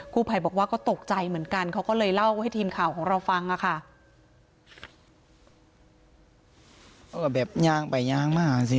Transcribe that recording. กู้ไพบอกว่าก็ตกใจเหมือนกัน